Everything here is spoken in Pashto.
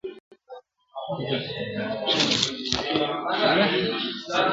له آسمانه چي به ولیدې کوترو !.